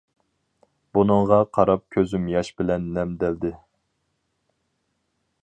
بۇنىڭغا قاراپ كۆزۈم ياش بىلەن نەمدەلدى.